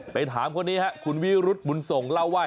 ไปถามคนนี้ฮะคุณวิรุฑบุญสงศ์เล่าว่า